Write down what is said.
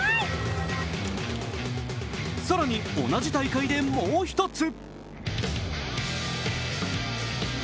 更に、同じ大会でもう一つ